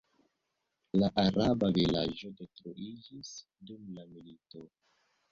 La araba vilaĝo detruiĝis dum la milito.